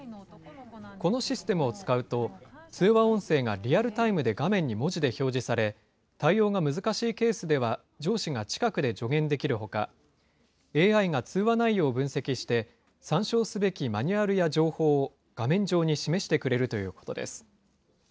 このシステムを使うと、通話音声がリアルタイムで画面に文字で表示され、対応が難しいケースでは、上司が近くで助言できるほか、ＡＩが通話内容を分析して、参照すべきマニュアルや情報を、画面上に示してくれるということです。